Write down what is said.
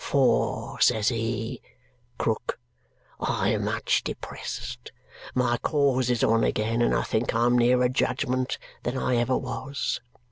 'For,' says he, 'Krook, I am much depressed; my cause is on again, and I think I'm nearer judgment than I ever was.'